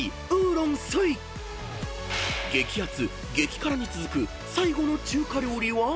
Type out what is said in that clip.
［激熱激辛に続く最後の中華料理は］